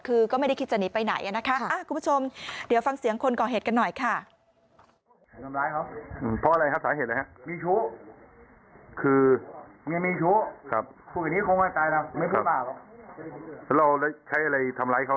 คือก็ไม่ได้คิดจะหนีไปไหนนะคะคุณผู้ชมเดี๋ยวฟังเสียงคนก่อเหตุกันหน่อยค่ะ